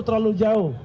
apa peran istri